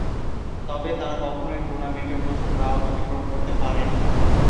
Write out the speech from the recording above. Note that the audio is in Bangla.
তবে তারা কখনই টুর্নামেন্টের প্রথম রাউন্ড অতিক্রম করতে পারে নি।